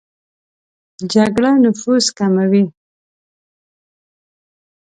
جګړه نفوس کموي